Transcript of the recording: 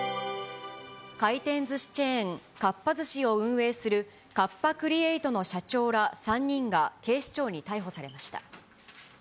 回転ずしチェーン、かっぱ寿司を運営するカッパ・クリエイトの社長ら３人が警視庁に逮捕されました。